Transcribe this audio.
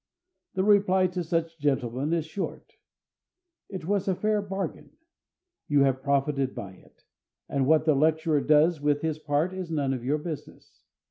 The reply to such gentlemen is short: It was a fair bargain; you have profited by it; and what the lecturer does with his part is none of your business.